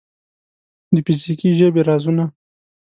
د فزیکي ژبې رازونه